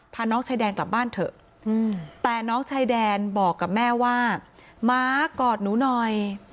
น้องชายแดนกลับบ้านเถอะแต่น้องชายแดนบอกกับแม่ว่าม้ากอดหนูหน่อย